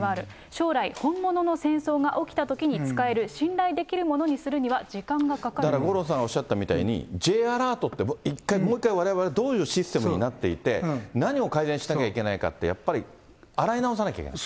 将来、本物の戦争が起きたときに使える信頼できるものにするには時間がだから、五郎さん、おっしゃったみたいに、Ｊアラートって、一回、もう一回、われわれどういうシステムになっていて、何を改善しなきゃいけないかって、やっぱり洗い直さなきゃいけない。